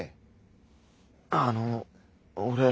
あの俺。